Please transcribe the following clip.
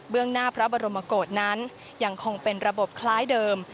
เรื่องหน้าพระบรมโกศนั้นยังคงเป็นระบบคล้ายเดิม